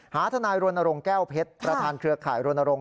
หาทนายโรนโรงแก้วเพชรประทานเครือข่ายโรนโรง